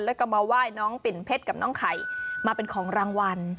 แล้วก็มาไหว้น้องปิ่นเพชรกับน้องไข่มาเป็นของรางวัล